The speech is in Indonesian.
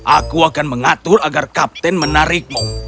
aku akan mengatur agar kapten menarikmu